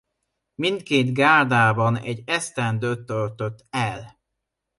Mindkét gárdában egy esztendőt töltött el.